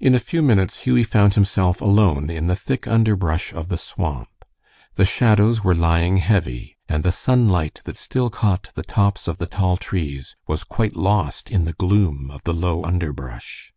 In a few minutes Hughie found himself alone in the thick underbrush of the swamp. The shadows were lying heavy, and the sunlight that still caught the tops of the tall trees was quite lost in the gloom of the low underbrush.